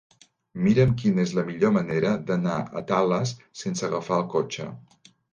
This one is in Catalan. Mira'm quina és la millor manera d'anar a Tales sense agafar el cotxe.